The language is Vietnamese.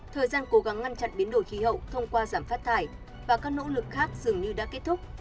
thời gian cố gắng ngăn chặn biến đổi khí hậu thông qua giảm phát thải và các nỗ lực khác dường như đã kết thúc